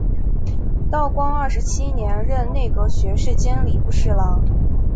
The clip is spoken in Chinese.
道光二十七年任内阁学士兼礼部侍郎。